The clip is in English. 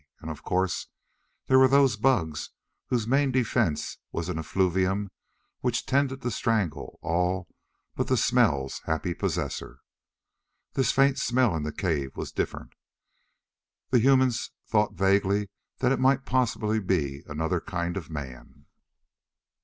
And of course there were those bugs whose main defense was an effluvium which tended to strangle all but the smell's happy possessor. This faint smell in the cave was different. The humans thought vaguely that it might possibly be another kind of man.